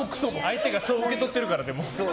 相手がそう受け取ってるから、でも。